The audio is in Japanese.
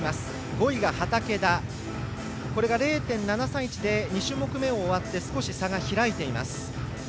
５位が畠田、０．７３１で２種目めが終わって少し差が開いています。